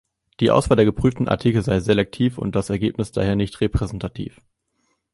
Die Auswahl der geprüften Artikel sei selektiv und das Ergebnis daher nicht repräsentativ.